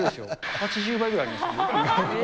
８０倍ぐらいあります。